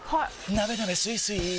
なべなべスイスイ